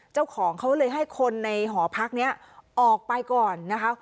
เจ้าของเขาเลยให้คนในหอพักนี้ออกไปก่อนนะคะ